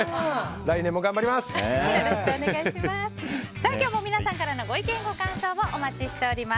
来年も頑張ります！